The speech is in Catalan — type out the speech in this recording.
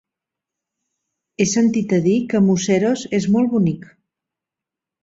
He sentit a dir que Museros és molt bonic.